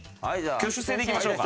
挙手制でいきましょうか。